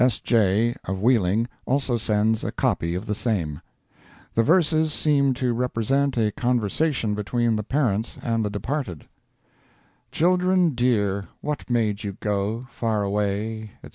(S. J., of Wheeling, also sends a copy of the same.) The verses seem to represent a conversation between the parents and the departed: Children dear, what made you go Far away, &c.